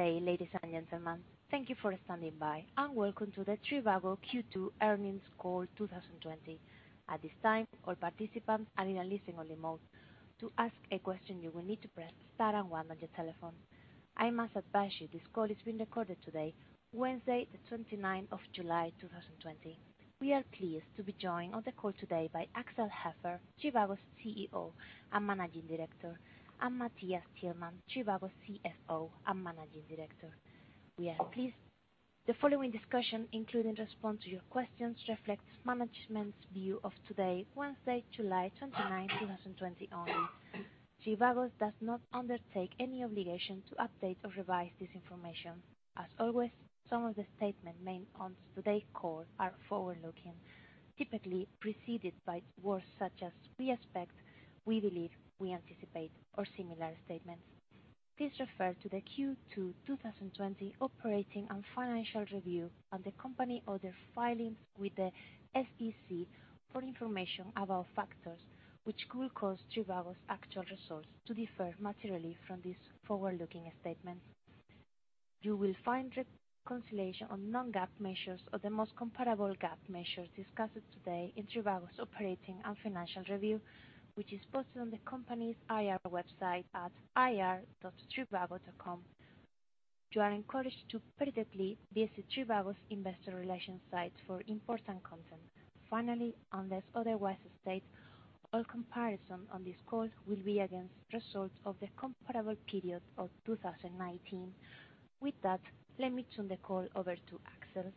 Good day, ladies and gentlemen. Thank you for standing by, and welcome to the trivago Q2 earnings call 2020. I must advise you this call is being recorded today, Wednesday the 29th of July, 2020. We are pleased to be joined on the call today by Axel Hefer, trivago's CEO and Managing Director, and Matthias Tillmann, trivago's CFO and Managing Director. The following discussion, including respond to your questions, reflects management's view of today, Wednesday, July 29, 2020 only. trivago does not undertake any obligation to update or revise this information. As always, some of the statements made on today's call are forward-looking, typically preceded by words such as "we expect," "we believe," "we anticipate," or similar statements. Please refer to the Q2 2020 operating and financial review and the company other filings with the SEC for information about factors which could cause trivago's actual results to differ materially from this forward-looking statement. You will find reconciliation on non-GAAP measures or the most comparable GAAP measures discussed today in trivago's operating and financial review, which is posted on the company's IR website at ir.trivago.com. You are encouraged to periodically visit trivago's investor relations site for important content. Finally, unless otherwise stated, all comparison on this call will be against results of the comparable period of 2019. With that, let me turn the call over to Axel.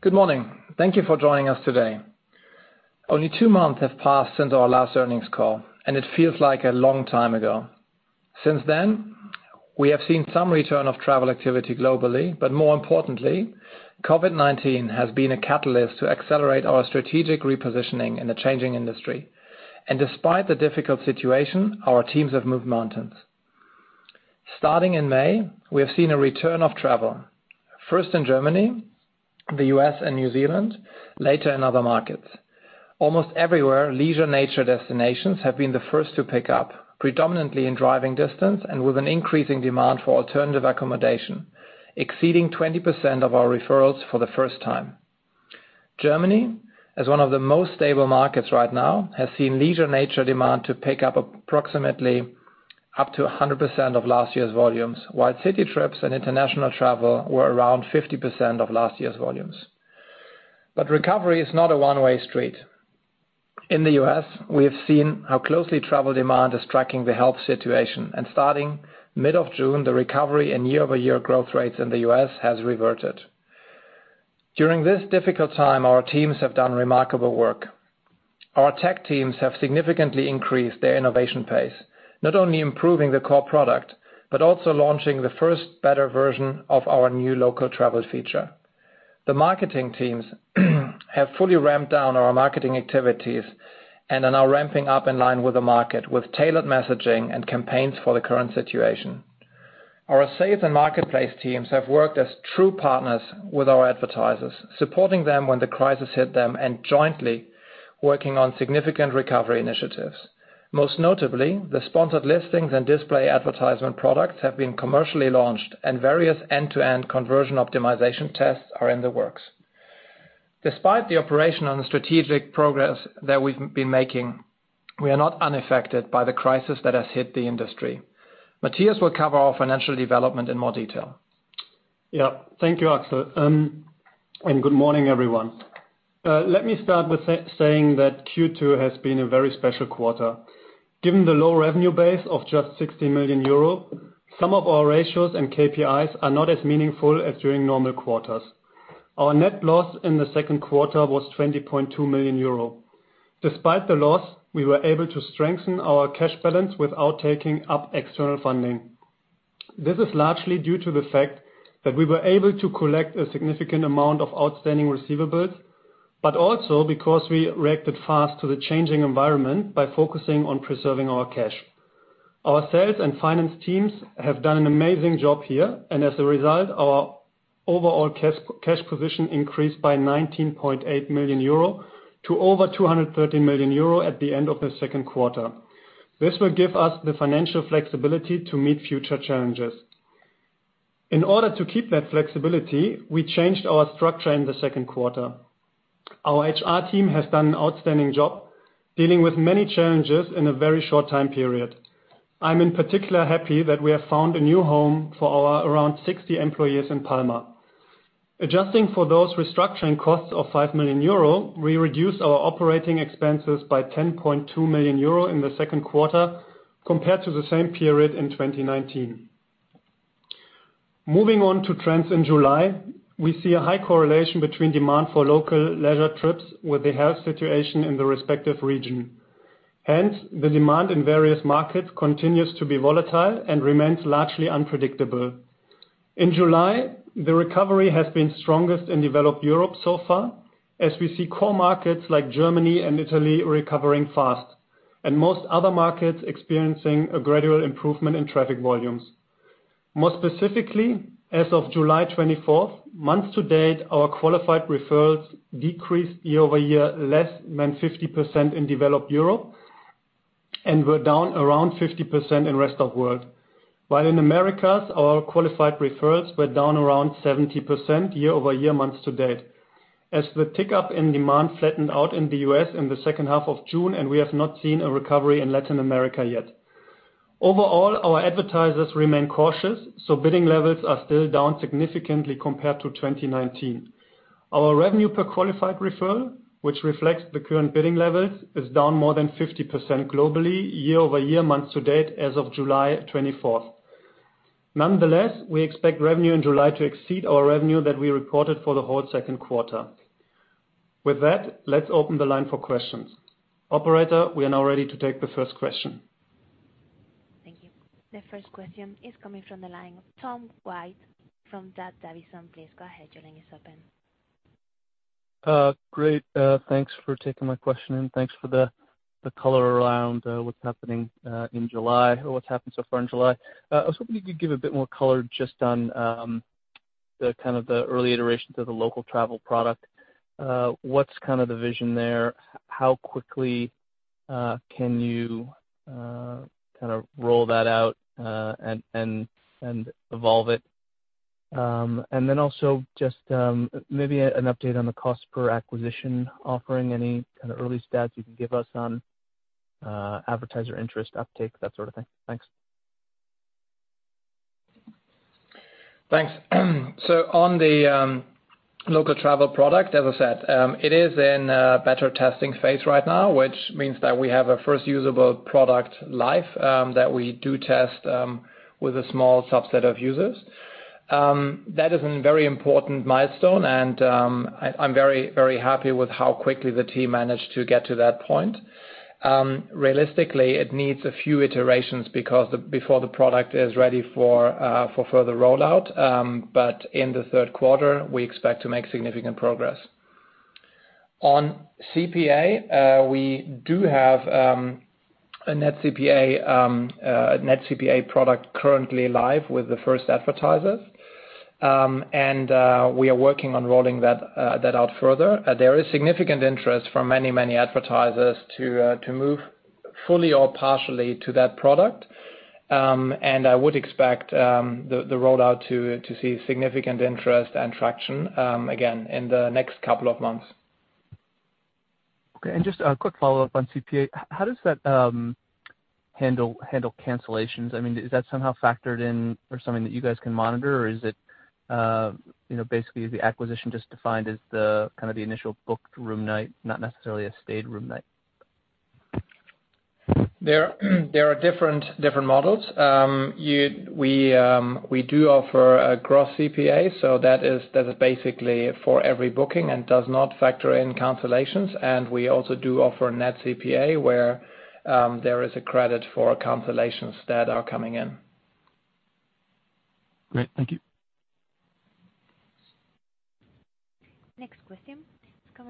Good morning. Thank you for joining us today. Only two months have passed since our last earnings call, and it feels like a long time ago. Since then, we have seen some return of travel activity globally, but more importantly, COVID-19 has been a catalyst to accelerate our strategic repositioning in the changing industry. Despite the difficult situation, our teams have moved mountains. Starting in May, we have seen a return of travel, first in Germany, the U.S., and New Zealand, later in other markets. Almost everywhere, leisure nature destinations have been the first to pick up, predominantly in driving distance and with an increasing demand for alternative accommodation, exceeding 20% of our referrals for the first time. Germany, as one of the most stable markets right now, has seen leisure nature demand to pick up approximately up to 100% of last year's volumes, while city trips and international travel were around 50% of last year's volumes. Recovery is not a one-way street. In the U.S., we have seen how closely travel demand is tracking the health situation, and starting mid of June, the recovery in year-over-year growth rates in the U.S. has reverted. During this difficult time, our teams have done remarkable work. Our tech teams have significantly increased their innovation pace, not only improving the core product, but also launching the first beta version of our new local travel feature. The marketing teams have fully ramped down our marketing activities and are now ramping up in line with the market with tailored messaging and campaigns for the current situation. Our sales and marketplace teams have worked as true partners with our advertisers, supporting them when the crisis hit them and jointly working on significant recovery initiatives. Most notably, the sponsored listings and display advertisement products have been commercially launched and various end-to-end conversion optimization tests are in the works. Despite the operation and the strategic progress that we've been making, we are not unaffected by the crisis that has hit the industry. Matthias will cover our financial development in more detail. Yeah. Thank you, Axel. Good morning, everyone. Let me start with saying that Q2 has been a very special quarter. Given the low revenue base of just 60 million euro, some of our ratios and KPIs are not as meaningful as during normal quarters. Our net loss in the second quarter was 20.2 million euro. Despite the loss, we were able to strengthen our cash balance without taking up external funding. This is largely due to the fact that we were able to collect a significant amount of outstanding receivables, also because we reacted fast to the changing environment by focusing on preserving our cash. Our sales and finance teams have done an amazing job here, as a result, our overall cash position increased by 19.8 million euro to over 230 million euro at the end of the second quarter. This will give us the financial flexibility to meet future challenges. In order to keep that flexibility, we changed our structure in the second quarter. Our HR team has done an outstanding job dealing with many challenges in a very short time period. I'm in particular happy that we have found a new home for our around 60 employees in Palma. Adjusting for those restructuring costs of 5 million euro, we reduced our operating expenses by 10.2 million euro in the second quarter compared to the same period in 2019. Moving on to trends in July, we see a high correlation between demand for local leisure trips with the health situation in the respective region. Hence, the demand in various markets continues to be volatile and remains largely unpredictable. In July, the recovery has been strongest in developed Europe so far as we see core markets like Germany and Italy recovering fast and most other markets experiencing a gradual improvement in traffic volumes. More specifically, as of July 24th, month-to-date, our qualified referrals decreased year-over-year less than 50% in developed Europe and were down around 50% in rest of world. While in Americas, our qualified referrals were down around 70% year-over-year, month-to-date. As the tick-up in demand flattened out in the U.S. in the second half of June, and we have not seen a recovery in Latin America yet. Overall, our advertisers remain cautious, so bidding levels are still down significantly compared to 2019. Our revenue per qualified referral, which reflects the current bidding levels, is down more than 50% globally, year-over-year, month-to-date as of July 24th. Nonetheless, we expect revenue in July to exceed our revenue that we reported for the whole second quarter. With that, let's open the line for questions. Operator, we are now ready to take the first question. Thank you. The first question is coming from the line of Tom White from D.A. Davidson. Please go ahead. Your line is open. Great. Thanks for taking my question, and thanks for the color around what's happening in July or what's happened so far in July. I was hoping you could give a bit more color just on the early iterations of the local travel product. What's the vision there? How quickly can you roll that out and evolve it? Then also just maybe an update on the cost per acquisition offering. Any early stats you can give us on advertiser interest uptake, that sort of thing? Thanks. Thanks. On the local travel product, as I said, it is in a beta testing phase right now, which means that we have a first usable product live, that we do test with a small subset of users. That is a very important milestone, and I am very happy with how quickly the team managed to get to that point. Realistically, it needs a few iterations before the product is ready for further rollout. In the third quarter, we expect to make significant progress. On CPA, we do have a net CPA product currently live with the first advertisers. We are working on rolling that out further. There is significant interest from many advertisers to move fully or partially to that product. I would expect the rollout to see significant interest and traction, again, in the next couple of months. Okay, just a quick follow-up on CPA. How does that handle cancellations? Is that somehow factored in or something that you guys can monitor? Or basically, is the acquisition just defined as the initial booked room night, not necessarily a stayed room night? There are different models. We do offer a gross CPA that is basically for every booking and does not factor in cancellations. We also do offer net CPA, where there is a credit for cancellations that are coming in. Great. Thank you.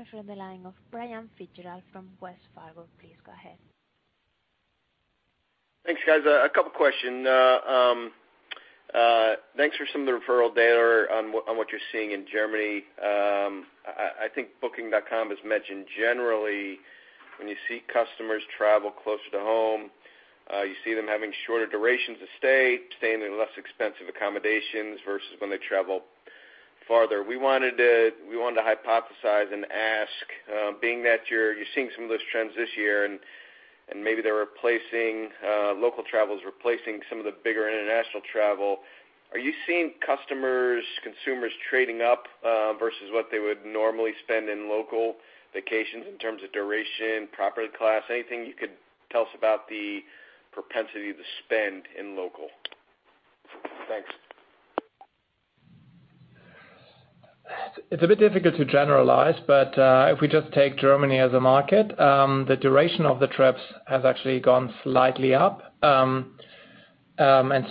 Next question is coming from the line of Brian FitzGerald from Wells Fargo. Please go ahead. Thanks, guys. A couple questions. Thanks for some of the referral data on what you're seeing in Germany. I think Booking.com has mentioned generally, when you see customers travel closer to home, you see them having shorter durations of stay, staying in less expensive accommodations versus when they travel farther. We wanted to hypothesize and ask, being that you're seeing some of those trends this year and maybe local travel is replacing some of the bigger international travel, are you seeing customers, consumers trading up versus what they would normally spend in local vacations in terms of duration, property class? Anything you could tell us about the propensity to spend in local? Thanks. It's a bit difficult to generalize, but if we just take Germany as a market, the duration of the trips has actually gone slightly up. We don't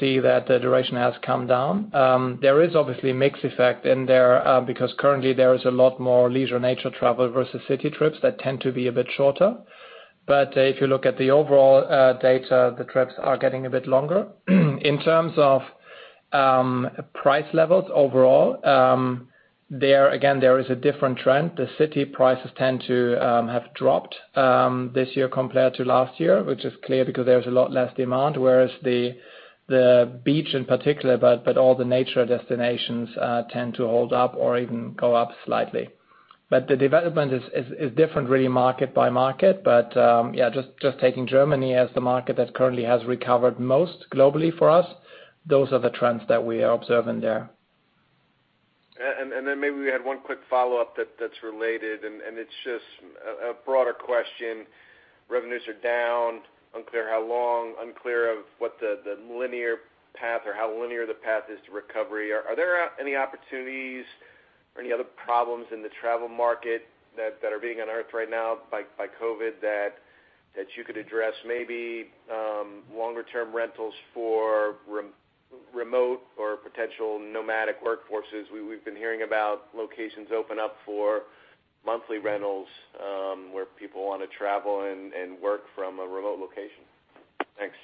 see that the duration has come down. There is obviously mix effect in there, because currently there is a lot more leisure nature travel versus city trips that tend to be a bit shorter. If you look at the overall data, the trips are getting a bit longer. In terms of price levels overall, there again, there is a different trend. The city prices tend to have dropped this year compared to last year, which is clear because there is a lot less demand, whereas the beach in particular, but all the nature destinations tend to hold up or even go up slightly. The development is different really market by market. Yeah, just taking Germany as the market that currently has recovered most globally for us, those are the trends that we are observing there. Then maybe we had one quick follow-up that's related, and it's just a broader question. Revenues are down. Unclear how long, unclear of what the linear path or how linear the path is to recovery. Are there any opportunities or any other problems in the travel market that are being unearthed right now by COVID that you could address? Maybe longer-term rentals for remote or potential nomadic workforces. We've been hearing about locations open up for monthly rentals, where people want to travel and work from a remote location. Thanks.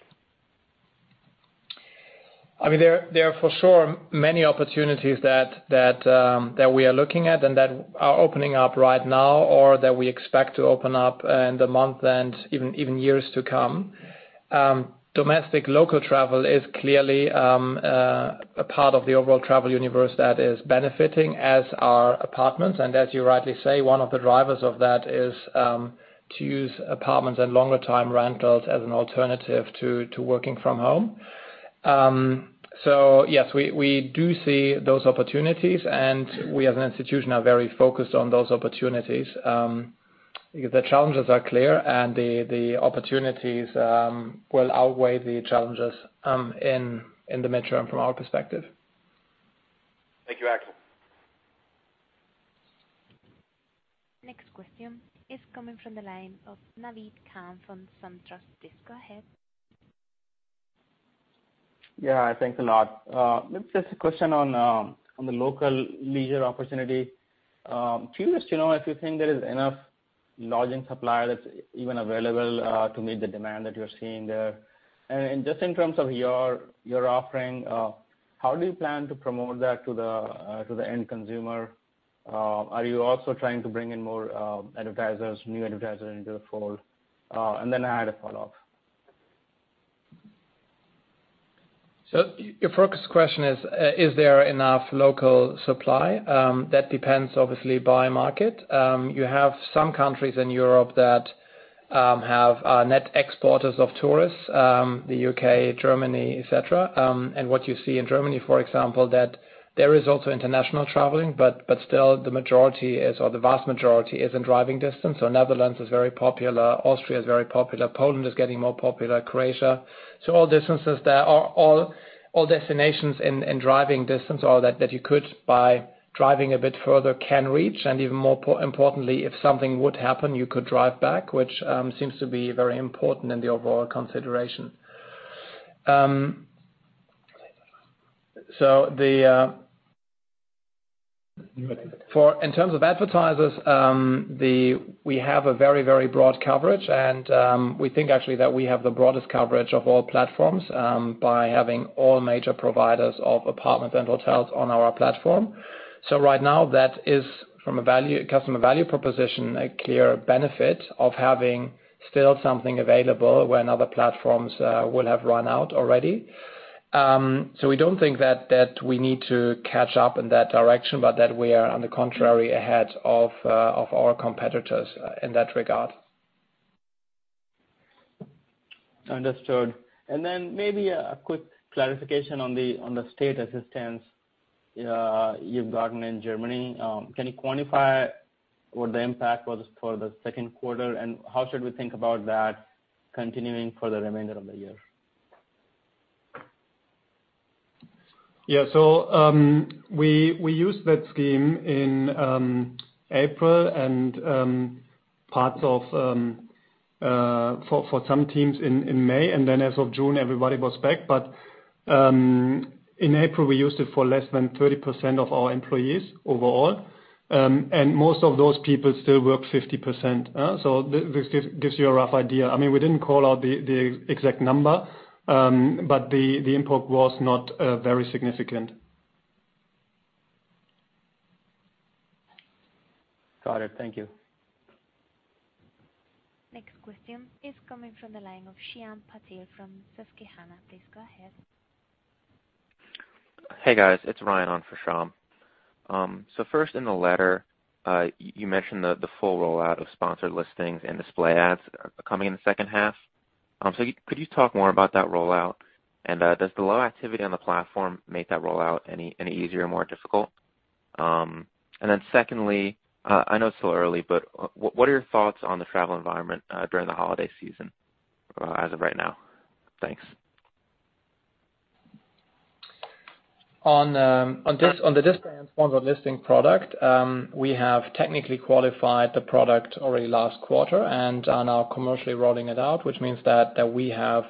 There are for sure many opportunities that we are looking at and that are opening up right now, or that we expect to open up in the month and even years to come. Domestic local travel is clearly a part of the overall travel universe that is benefiting as our apartments, and as you rightly say, one of the drivers of that is to use apartments and longer-time rentals as an alternative to working from home. Yes, we do see those opportunities, and we as an institution are very focused on those opportunities. The challenges are clear, and the opportunities will outweigh the challenges in the mid-term from our perspective. Thank you, Axel. Next question is coming from the line of Naved Khan from SunTrust. Please go ahead. Yeah. Thanks a lot. Just a question on the local leisure opportunity. Curious to know if you think there is enough lodging supply that's even available to meet the demand that you're seeing there. Just in terms of your offering, how do you plan to promote that to the end consumer? Are you also trying to bring in more advertisers, new advertisers into the fold? Then I had a follow-up. Your first question is there enough local supply? That depends obviously by market. You have some countries in Europe that have net exporters of tourists, the U.K., Germany, et cetera. What you see in Germany, for example, that there is also international traveling, but still the majority or the vast majority is in driving distance. Netherlands is very popular. Austria is very popular. Poland is getting more popular, Croatia. All distances there, all destinations in driving distance, or that you could, by driving a bit further, can reach. Even more importantly, if something would happen, you could drive back, which seems to be very important in the overall consideration. In terms of advertisers, we have a very broad coverage and we think actually that we have the broadest coverage of all platforms, by having all major providers of apartments and hotels on our platform. Right now that is from a customer value proposition, a clear benefit of having still something available when other platforms will have run out already. We don't think that we need to catch up in that direction, but that we are on the contrary ahead of our competitors in that regard. Understood. Maybe a quick clarification on the state assistance you've gotten in Germany. Can you quantify what the impact was for the second quarter, and how should we think about that continuing for the remainder of the year? We used that scheme in April and for some teams in May. As of June, everybody was back. In April we used it for less than 30% of our employees overall. Most of those people still work 50%. This gives you a rough idea. We didn't call out the exact number. The impact was not very significant. Got it. Thank you. Next question is coming from the line of Shyam Patil from Susquehanna. Please go ahead. Hey, guys. It's Ryan on for Shyam. First in the letter, you mentioned the full rollout of sponsored listings and display ads coming in the second half. Could you talk more about that rollout? Does the low activity on the platform make that rollout any easier or more difficult? Secondly, I know it's still early, but what are your thoughts on the travel environment during the holiday season as of right now? Thanks. On the display and sponsored listing product, we have technically qualified the product already last quarter and are now commercially rolling it out, which means that we have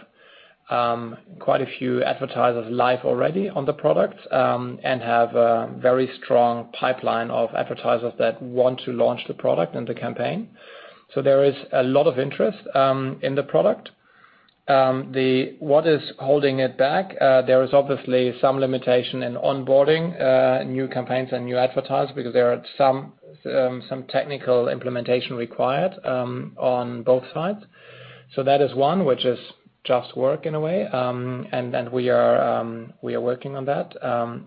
quite a few advertisers live already on the product, and have a very strong pipeline of advertisers that want to launch the product and the campaign. There is a lot of interest in the product. What is holding it back? There is obviously some limitation in onboarding new campaigns and new advertisers because there are some technical implementation required on both sides. That is one which is just work in a way. We are working on that.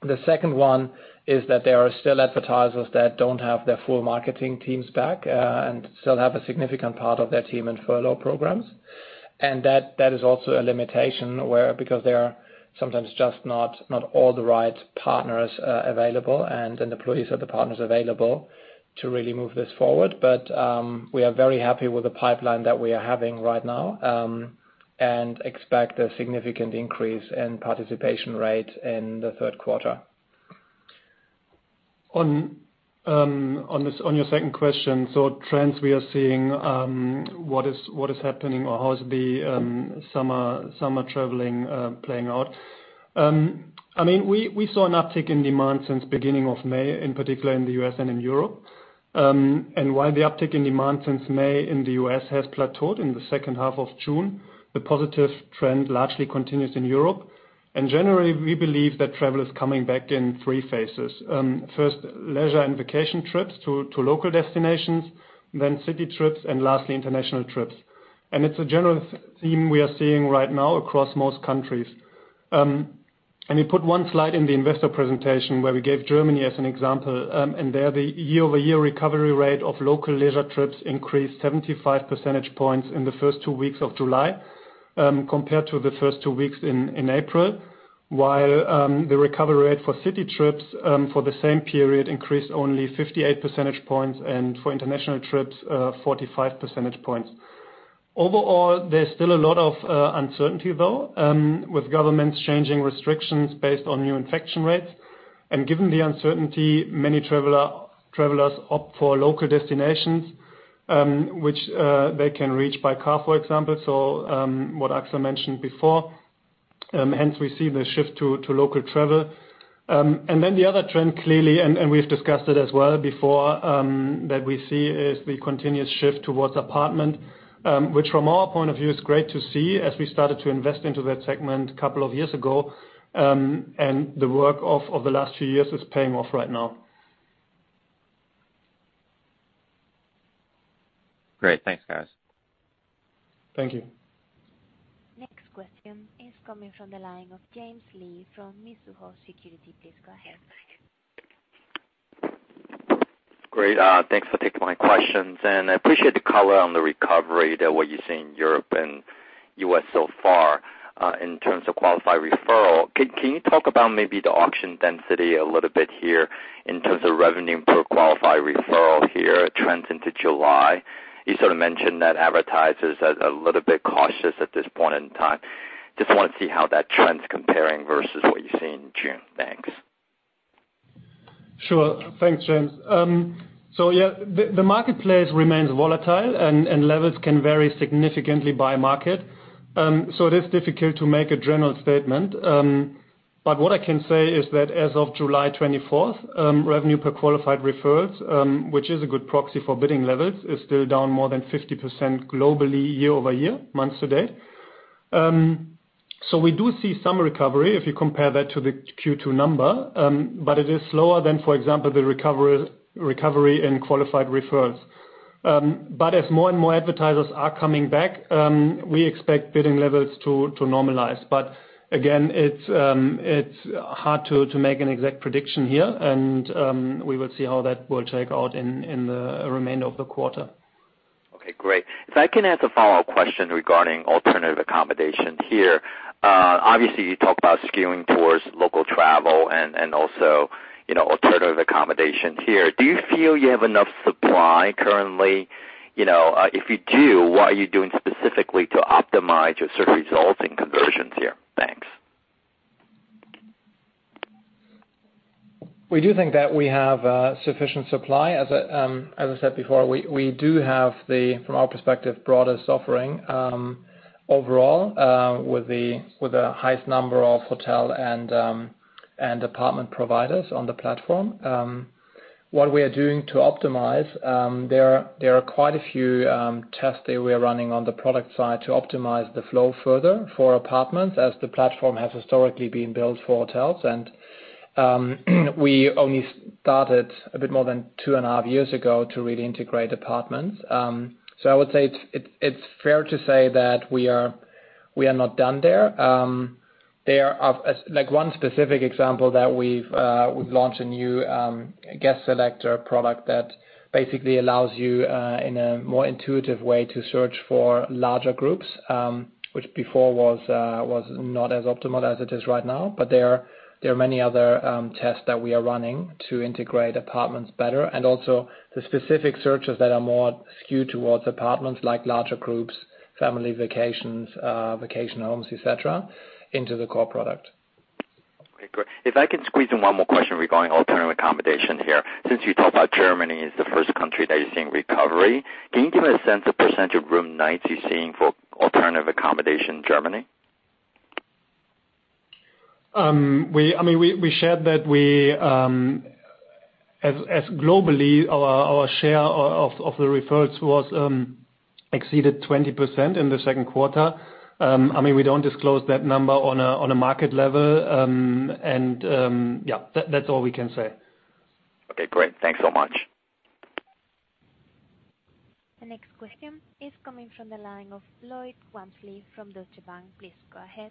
The second one is that there are still advertisers that don't have their full marketing teams back, and still have a significant part of their team in furlough programs. That is also a limitation because there are sometimes just not all the right partners available and employees of the partners available to really move this forward. We are very happy with the pipeline that we are having right now, and expect a significant increase in participation rate in the third quarter. On your second question, so trends we are seeing, what is happening or how is the summer traveling playing out. We saw an uptick in demand since beginning of May, in particular in the U.S. and in Europe. While the uptick in demand since May in the U.S. has plateaued in the second half of June, the positive trend largely continues in Europe. Generally, we believe that travel is coming back in three phases. First, leisure and vacation trips to local destinations, then city trips, and lastly, international trips. It's a general theme we are seeing right now across most countries. We put one slide in the investor presentation where we gave Germany as an example, and there the year-over-year recovery rate of local leisure trips increased 75 percentage points in the first two weeks of July, compared to the first two weeks in April, while the recovery rate for city trips for the same period increased only 58 percentage points, and for international trips, 45 percentage points. Overall, there's still a lot of uncertainty though, with governments changing restrictions based on new infection rates. Given the uncertainty, many travelers opt for local destinations, which they can reach by car, for example, so what Axel mentioned before. Hence, we see the shift to local travel. The other trend clearly, and we've discussed it as well before, that we see is the continuous shift towards apartment, which from our point of view, is great to see as we started to invest into that segment a couple of years ago. The work of the last few years is paying off right now. Great. Thanks, guys. Thank you. Next question is coming from the line of James Lee from Mizuho Securities. Please go ahead. Great. Thanks for taking my questions. I appreciate the color on the recovery that what you see in Europe and U.S. so far. In terms of qualified referral, can you talk about maybe the auction density a little bit here in terms of revenue per qualified referral here trends into July? You sort of mentioned that advertisers are a little bit cautious at this point in time. Want to see how that trend's comparing versus what you see in June. Thanks. Sure. Thanks, James. Yeah, the marketplace remains volatile and levels can vary significantly by market. It is difficult to make a general statement. What I can say is that as of July 24th, revenue per qualified referrals, which is a good proxy for bidding levels, is still down more than 50% globally year-over-year, month to date. We do see some recovery if you compare that to the Q2 number, but it is slower than, for example, the recovery in qualified referrals. As more and more advertisers are coming back, we expect bidding levels to normalize. Again, it's hard to make an exact prediction here. We will see how that will check out in the remainder of the quarter. Okay, great. If I can ask a follow-up question regarding alternative accommodation here. Obviously, you talk about skewing towards local travel and also alternative accommodation here. Do you feel you have enough supply currently? If you do, what are you doing specifically to optimize your search results and conversions here? Thanks. We do think that we have sufficient supply. As I said before, we do have the, from our perspective, broadest offering, overall, with the highest number of hotel and apartment providers on the platform. What we are doing to optimize, there are quite a few tests that we are running on the product side to optimize the flow further for apartments as the platform has historically been built for hotels. We only started a bit more than two and a half years ago to really integrate apartments. I would say it's fair to say that we are not done there. Like one specific example that we've launched a new guest selector product that basically allows you, in a more intuitive way, to search for larger groups, which before was not as optimal as it is right now. There are many other tests that we are running to integrate apartments better, and also the specific searches that are more skewed towards apartments, like larger groups, family vacations, vacation homes, et cetera, into the core product. Okay, great. If I can squeeze in one more question regarding alternative accommodation here. Since you talked about Germany as the first country that you're seeing recovery, can you give me a sense of % of room nights you're seeing for alternative accommodation in Germany? We shared that as globally, our share of the referrals exceeded 20% in the second quarter. We don't disclose that number on a market level. Yeah, that's all we can say. Okay, great. Thanks so much. The next question is coming from the line of Lloyd Walmsley from Deutsche Bank. Please go ahead.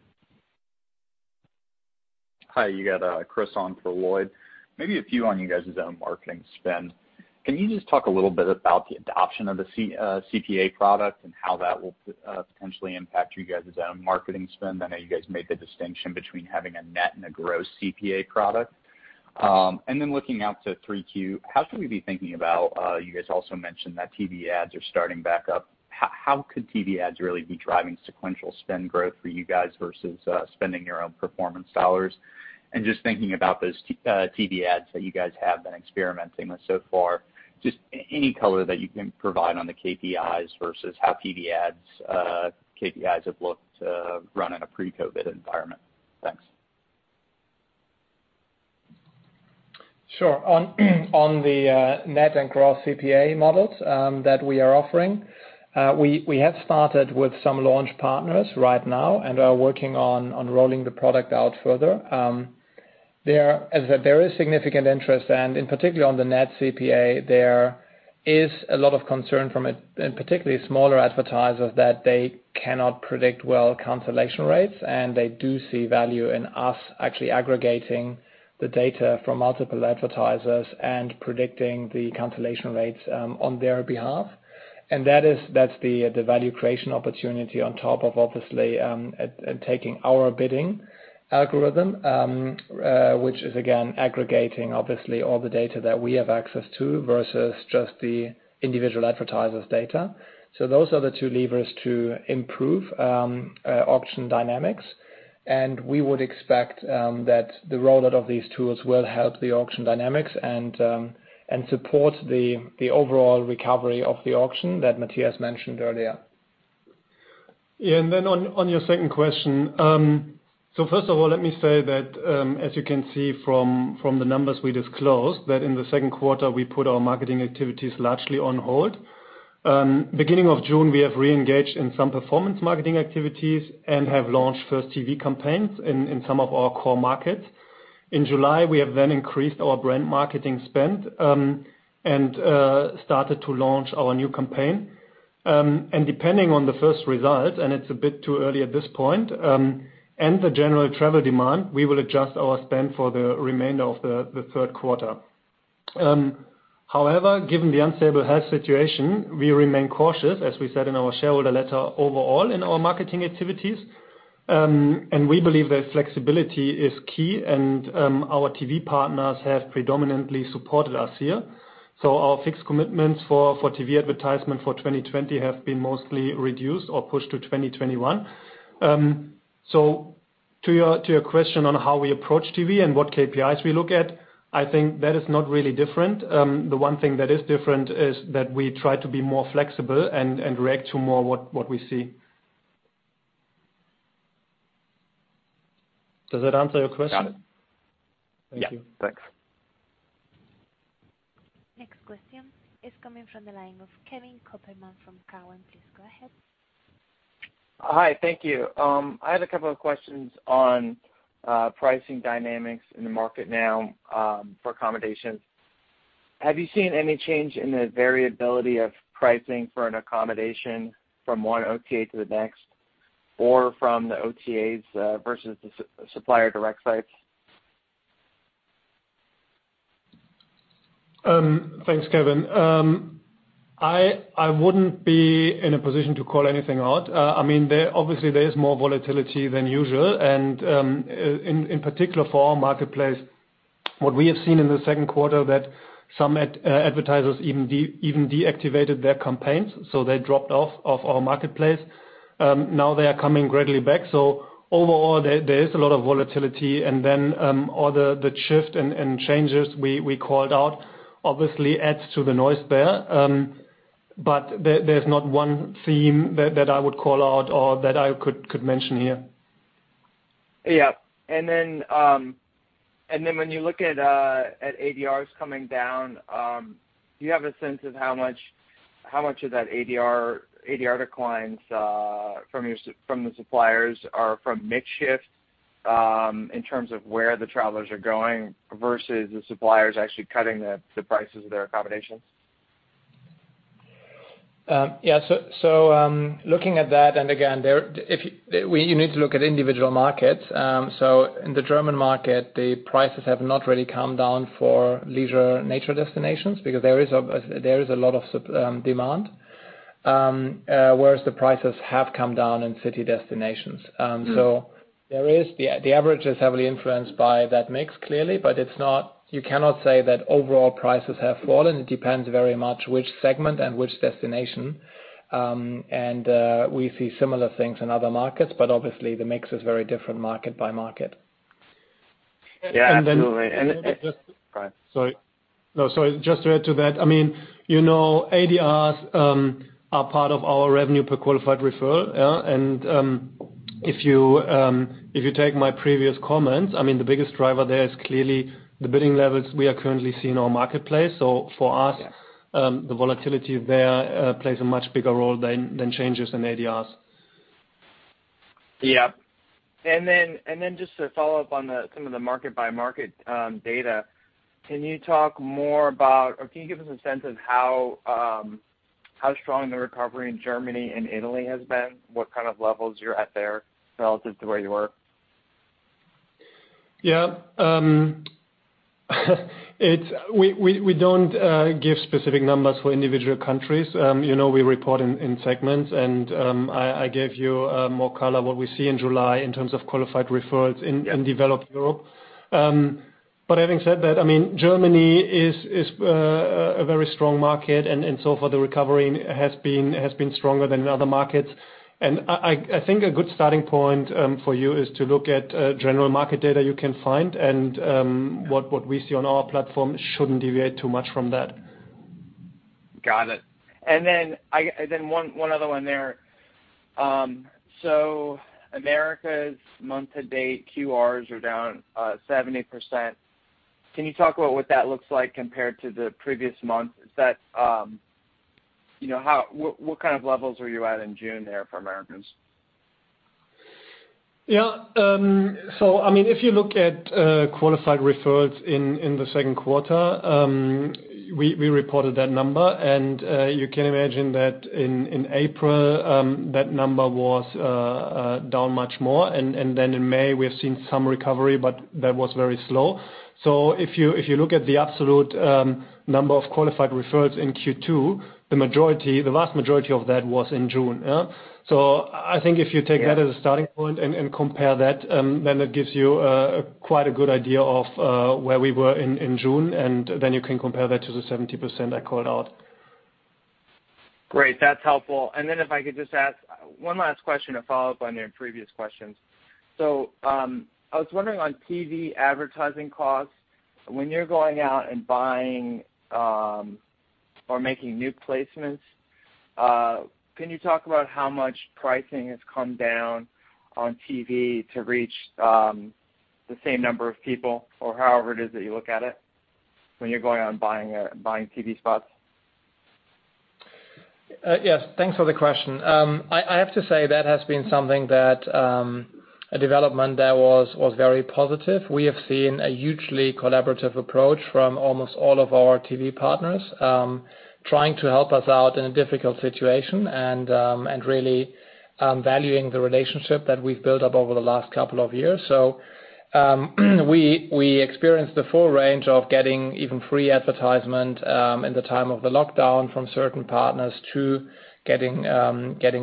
Hi, you got Chris on for Lloyd. Maybe a few on your guys' own marketing spend. Can you just talk a little bit about the adoption of the CPA product and how that will potentially impact you guys' own marketing spend? I know you guys made the distinction between having a net and a gross CPA product. Looking out to Q3, how should we be thinking about, you guys also mentioned that TV ads are starting back up. How could TV ads really be driving sequential spend growth for you guys versus spending your own performance dollars? Just thinking about those TV ads that you guys have been experimenting with so far, just any color that you can provide on the KPIs versus how TV ads KPIs have looked run in a pre-COVID-19 environment. Thanks. Sure. On the net and gross CPA models that we are offering, we have started with some launch partners right now and are working on rolling the product out further. There is a very significant interest, in particular on the net CPA, there is a lot of concern from it, and particularly smaller advertisers that they cannot predict well cancellation rates, and they do see value in us actually aggregating the data from multiple advertisers and predicting the cancellation rates on their behalf. That's the value creation opportunity on top of obviously, taking our bidding algorithm, which is again aggregating obviously all the data that we have access to versus just the individual advertiser's data. Those are the two levers to improve auction dynamics. We would expect that the rollout of these tools will help the auction dynamics and support the overall recovery of the auction that Matthias mentioned earlier. Yeah. On your second question. First of all, let me say that, as you can see from the numbers we disclosed, that in the second quarter we put our marketing activities largely on hold. Beginning of June, we have reengaged in some performance marketing activities and have launched first TV campaigns in some of our core markets. In July, we have increased our brand marketing spend, and started to launch our new campaign. Depending on the first result, and it's a bit too early at this point, and the general travel demand, we will adjust our spend for the remainder of the third quarter. However, given the unstable health situation, we remain cautious, as we said in our shareholder letter overall in our marketing activities. We believe that flexibility is key and our TV partners have predominantly supported us here. Our fixed commitments for TV advertisement for 2020 have been mostly reduced or pushed to 2021. To your question on how we approach TV and what KPIs we look at, I think that is not really different. The one thing that is different is that we try to be more flexible and react to more what we see. Does that answer your question? Got it. Thank you. Yeah. Thanks. Next question is coming from the line of Kevin Kopelman from Cowen. Please go ahead. Hi. Thank you. I have a couple of questions on pricing dynamics in the market now, for accommodations. Have you seen any change in the variability of pricing for an accommodation from one OTA to the next? From the OTAs versus the supplier direct sites? Thanks, Kevin. I wouldn't be in a position to call anything out. There is more volatility than usual and in particular for our marketplace, what we have seen in the second quarter that some advertisers even deactivated their campaigns, so they dropped off of our marketplace. They are coming gradually back. Overall, there is a lot of volatility and then all the shift and changes we called out obviously adds to the noise there. There's not one theme that I would call out or that I could mention here. Yeah. When you look at ADRs coming down, do you have a sense of how much of that ADR declines from the suppliers are from mix shift, in terms of where the travelers are going versus the suppliers actually cutting the prices of their accommodations? Yeah. Looking at that, and again, you need to look at individual markets. In the German market, the prices have not really come down for leisure nature destinations because there is a lot of demand, whereas the prices have come down in city destinations. The average is heavily influenced by that mix, clearly, but you cannot say that overall prices have fallen. It depends very much which segment and which destination. We see similar things in other markets, but obviously the mix is very different market by market. Yeah, absolutely. Just to add to that, ADRs are part of our revenue per qualified referral, yeah? If you take my previous comments, the biggest driver there is clearly the bidding levels we are currently seeing on marketplace. Yeah. the volatility there plays a much bigger role than changes in ADRs. Yeah. Just to follow up on some of the market-by-market data, can you talk more about or can you give us a sense of how strong the recovery in Germany and Italy has been? What kind of levels you're at there relative to where you were? Yeah. We don't give specific numbers for individual countries. We report in segments and I gave you more color what we see in July in terms of qualified referrals in developed Europe. Having said that, Germany is a very strong market, and so far the recovery has been stronger than in other markets. I think a good starting point for you is to look at general market data you can find, and what we see on our platform shouldn't deviate too much from that. Got it. One other one there. Americas' month-to-date QRs are down 70%. Can you talk about what that looks like compared to the previous month? What kind of levels are you at in June there for Americans? Yeah. If you look at qualified referrals in the second quarter, we reported that number. You can imagine that in April, that number was down much more. In May, we have seen some recovery, but that was very slow. If you look at the absolute number of qualified referrals in Q2, the vast majority of that was in June. I think if you take that as a starting point and compare that, then it gives you quite a good idea of where we were in June, and then you can compare that to the 70% I called out. Great. That's helpful. If I could just ask one last question to follow up on your previous questions. I was wondering on TV advertising costs, when you're going out and buying or making new placements, can you talk about how much pricing has come down on TV to reach the same number of people or however it is that you look at it when you're going out and buying TV spots? Yes. Thanks for the question. I have to say that has been a development that was very positive. We have seen a hugely collaborative approach from almost all of our TV partners, trying to help us out in a difficult situation and really valuing the relationship that we've built up over the last couple of years. We experienced the full range of getting even free advertisement in the time of the lockdown from certain partners to getting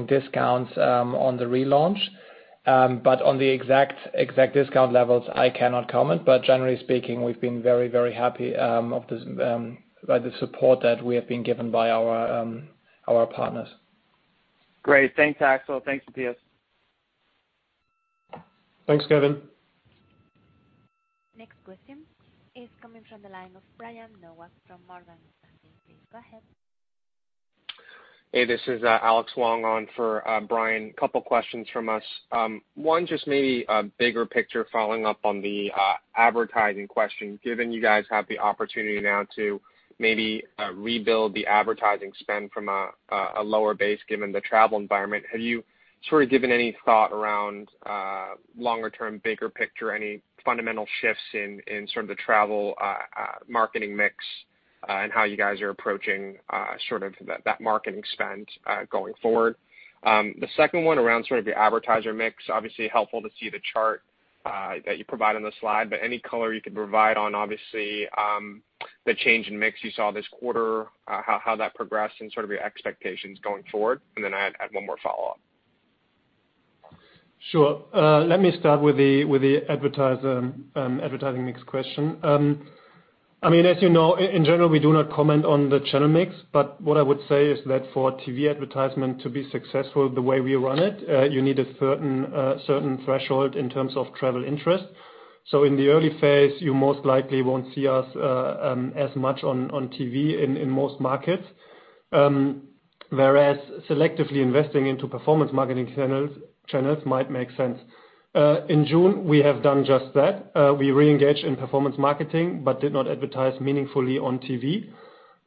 discounts on the relaunch. On the exact discount levels, I cannot comment. Generally speaking, we've been very happy by the support that we have been given by our partners. Great. Thanks, Axel. Thanks, Matthias. Thanks, Kevin. Next question is coming from the line of Brian Nowak from Morgan Stanley. Please go ahead. Hey, this is Alex Wang on for Brian. Couple questions from us. One, just maybe a bigger picture following up on the advertising question, given you guys have the opportunity now to maybe rebuild the advertising spend from a lower base given the travel environment, have you given any thought around longer term, bigger picture, any fundamental shifts in sort of the travel marketing mix, and how you guys are approaching that marketing spend going forward? The second one around sort of your advertiser mix, obviously helpful to see the chart that you provide on the slide, but any color you could provide on obviously, the change in mix you saw this quarter, how that progressed and sort of your expectations going forward. Then I had one more follow-up. Sure. Let me start with the advertising mix question. As you know, in general, we do not comment on the channel mix, but what I would say is that for TV advertisement to be successful the way we run it, you need a certain threshold in terms of travel interest. In the early phase, you most likely won't see us as much on TV in most markets, whereas selectively investing into performance marketing channels might make sense. In June, we have done just that. We reengaged in performance marketing but did not advertise meaningfully on TV.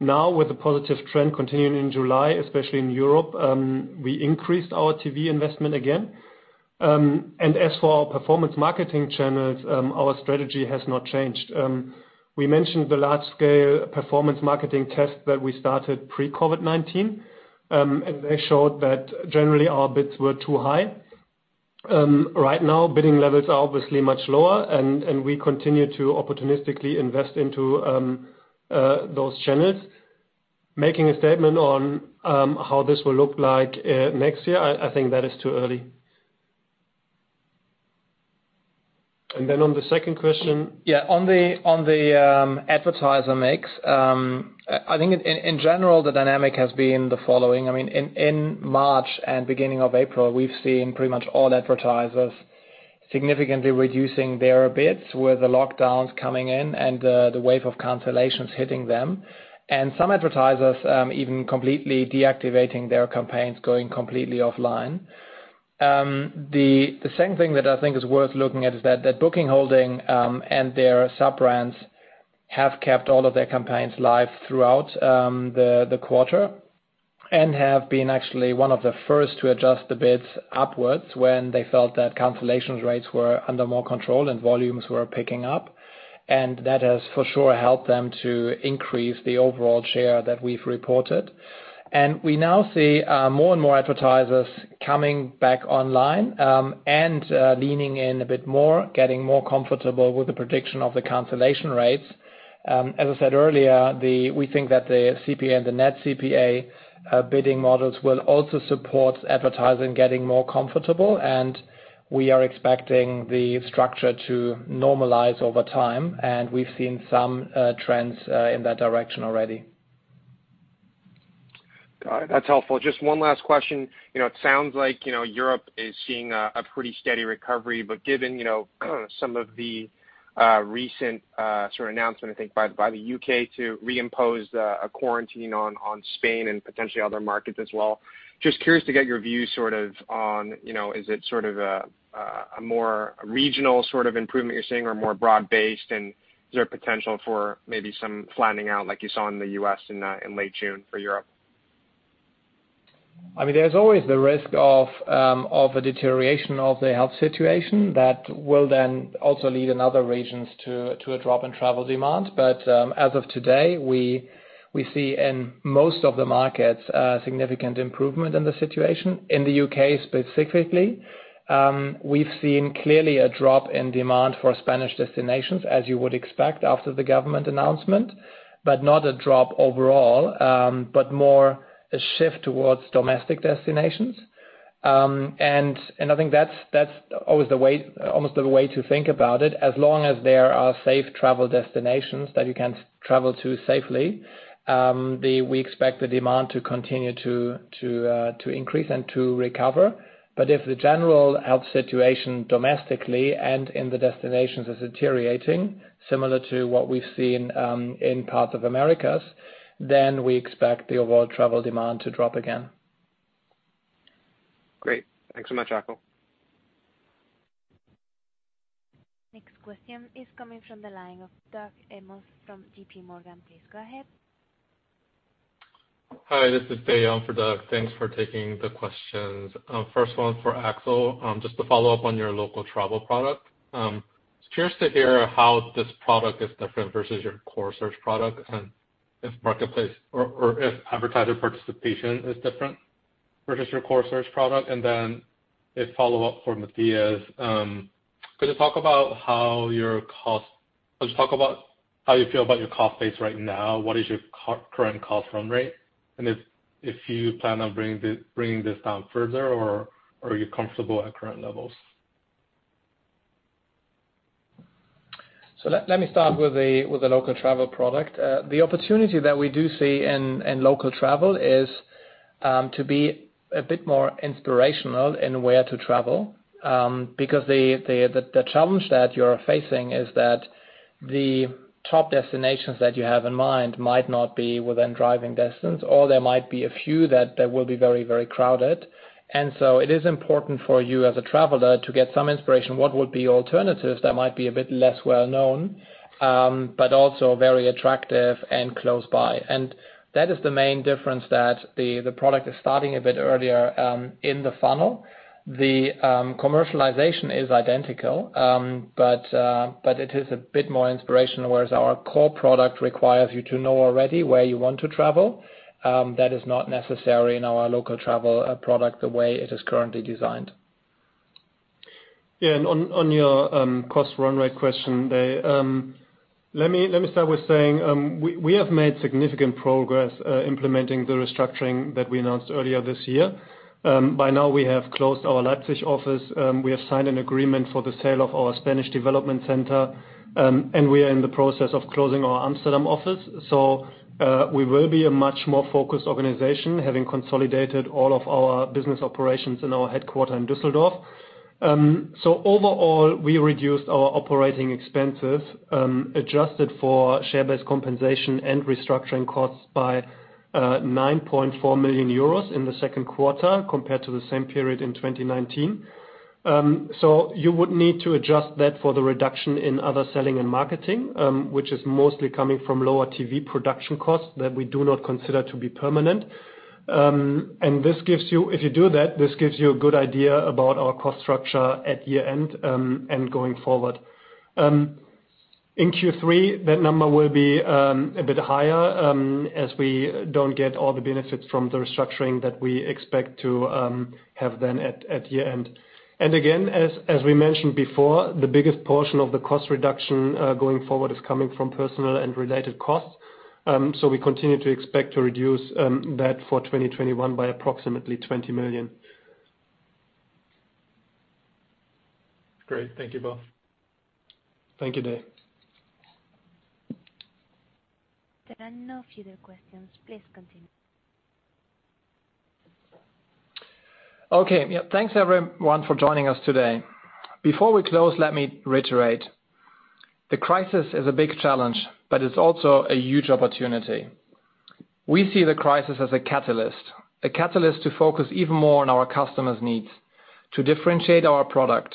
With the positive trend continuing in July, especially in Europe, we increased our TV investment again. As for our performance marketing channels, our strategy has not changed. We mentioned the large-scale performance marketing test that we started pre-COVID-19, and they showed that generally our bids were too high. Right now, bidding levels are obviously much lower, and we continue to opportunistically invest into those channels. Making a statement on how this will look like next year, I think that is too early. On the advertiser mix, I think in general, the dynamic has been the following. In March and beginning of April, we've seen pretty much all advertisers significantly reducing their bids with the lockdowns coming in and the wave of cancellations hitting them. Some advertisers even completely deactivating their campaigns, going completely offline. The second thing that I think is worth looking at is that Booking Holdings, and their sub-brands have kept all of their campaigns live throughout the quarter and have been actually one of the first to adjust the bids upwards when they felt that cancellations rates were under more control and volumes were picking up. That has for sure helped them to increase the overall share that we've reported. We now see more and more advertisers coming back online, and leaning in a bit more, getting more comfortable with the prediction of the cancellation rates. As I said earlier, we think that the CPA and the net CPA bidding models will also support advertising getting more comfortable, and we are expecting the structure to normalize over time. We've seen some trends in that direction already. Got it. That's helpful. Just one last question. It sounds like Europe is seeing a pretty steady recovery, but given some of the recent sort of announcement, I think, by the U.K. to reimpose a quarantine on Spain and potentially other markets as well, just curious to get your view on is it sort of a more regional sort of improvement you're seeing or more broad-based, and is there potential for maybe some flattening out like you saw in the U.S. in late June for Europe? There's always the risk of a deterioration of the health situation that will then also lead in other regions to a drop in travel demand. As of today, we see in most of the markets a significant improvement in the situation. In the U.K. specifically, we've seen clearly a drop in demand for Spanish destinations, as you would expect after the government announcement. Not a drop overall, but more a shift towards domestic destinations. I think that's almost the way to think about it. As long as there are safe travel destinations that you can travel to safely, we expect the demand to continue to increase and to recover. If the general health situation domestically and in the destinations is deteriorating, similar to what we've seen in parts of Americas, then we expect the overall travel demand to drop again. Great. Thanks so much, Axel. Next question is coming from the line of Doug Anmuth from JPMorgan. Please go ahead. Hi, this is Dae on for Doug. Thanks for taking the questions. First one for Axel, just to follow up on your local travel product. Curious to hear how this product is different versus your core search product, and if advertiser participation is different versus your core search product. Then a follow-up for Matthias. Could you talk about how you feel about your cost base right now? What is your current cost run rate? If you plan on bringing this down further, or are you comfortable at current levels? Let me start with the local travel product. The opportunity that we do see in local travel is to be a bit more inspirational in where to travel. Because the challenge that you're facing is that the top destinations that you have in mind might not be within driving distance, or there might be a few that will be very crowded. It is important for you as a traveler to get some inspiration. What would be alternatives that might be a bit less well-known, but also very attractive and close by? That is the main difference, that the product is starting a bit earlier in the funnel. The commercialization is identical, but it is a bit more inspirational, whereas our core product requires you to know already where you want to travel. That is not necessary in our local travel product the way it is currently designed. Yeah, on your cost run rate question, Dae, let me start with saying, we have made significant progress implementing the restructuring that we announced earlier this year. By now, we have closed our Leipzig office. We have signed an agreement for the sale of our Spanish development center, and we are in the process of closing our Amsterdam office. We will be a much more focused organization, having consolidated all of our business operations in our headquarter in Dusseldorf. Overall, we reduced our operating expenses, adjusted for share-based compensation and restructuring costs by 9.4 million euros in the second quarter compared to the same period in 2019. You would need to adjust that for the reduction in other selling and marketing, which is mostly coming from lower TV production costs that we do not consider to be permanent. If you do that, this gives you a good idea about our cost structure at year-end, and going forward. In Q3, that number will be a bit higher, as we don't get all the benefits from the restructuring that we expect to have then at year-end. Again, as we mentioned before, the biggest portion of the cost reduction going forward is coming from personnel and related costs. We continue to expect to reduce that for 2021 by approximately 20 million. Great. Thank you both. Thank you, Dae. There are no further questions. Please continue. Okay. Thanks, everyone, for joining us today. Before we close, let me reiterate. The crisis is a big challenge, but it's also a huge opportunity. We see the crisis as a catalyst. A catalyst to focus even more on our customers' needs, to differentiate our product,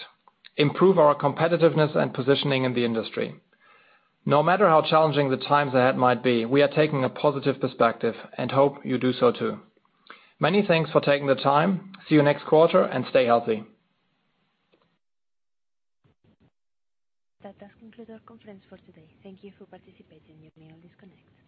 improve our competitiveness and positioning in the industry. No matter how challenging the times ahead might be, we are taking a positive perspective and hope you do so, too. Many thanks for taking the time. See you next quarter, and stay healthy. That does conclude our conference for today. Thank You for participating. You may all disconnect.